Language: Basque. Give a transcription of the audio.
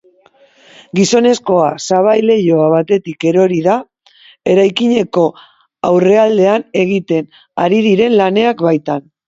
Gizonezkoa sabai-leiho batetik erori da, eraikineko aurrealdean egiten ari diren lanen baitan.